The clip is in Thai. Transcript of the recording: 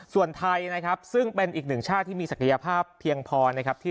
ส่วนไทยนะครับซึ่งเป็นอีกหนึ่งชาติที่มีศักยภาพเพียงพอนะครับ